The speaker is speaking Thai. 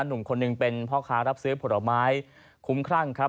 หนุ่มคนหนึ่งเป็นพ่อค้ารับซื้อผลไม้คุ้มครั่งครับ